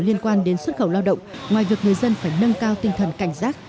người dân đến xuất khẩu lao động ngoài việc người dân phải nâng cao tinh thần cảnh giác